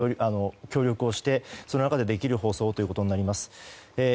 我々は捜査に最大限協力をしてその中でできる放送をということになります。